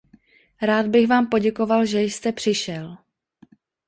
Rád bych vám poděkoval, že jste přišel.